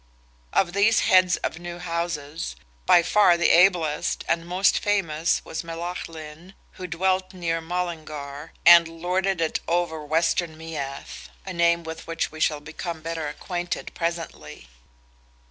Of these heads of new houses, by far the ablest and most famous was Melaghlin, who dwelt near Mullingar, and lorded it over western Meath; a name with which we shall become better acquainted presently.